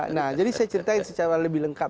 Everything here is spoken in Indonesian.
nah jadi saya ceritain secara lebih lengkap